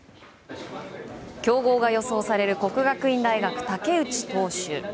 競合が予想される國學院大學竹内投手。